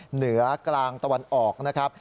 เหนือกลางตะวันออกนะครับ